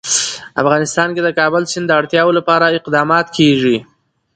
افغانستان کې د کابل سیند د اړتیاوو لپاره اقدامات کېږي.